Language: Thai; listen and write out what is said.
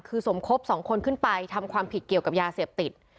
คือสมคบสองคนขึ้นไปทำความผิดเกี่ยวกับยาเสพติด